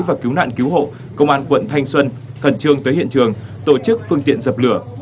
và cứu nạn cứu hộ công an quận thanh xuân khẩn trương tới hiện trường tổ chức phương tiện dập lửa